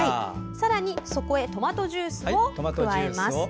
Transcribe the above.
さらに、そこへトマトジュースを加えます。